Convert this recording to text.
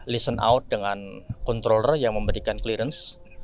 listen out dengan controller yang memberikan clearance